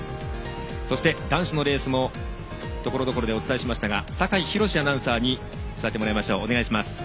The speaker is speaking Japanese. そして男子のレースもところどころでお伝えしましたが酒井博司アナウンサーお願いします。